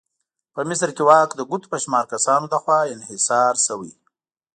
په مصر کې واک د ګوتو په شمار کسانو لخوا انحصار شوی.